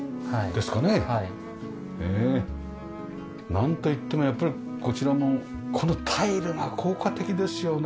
なんといってもやっぱりこちらもこのタイルが効果的ですよね。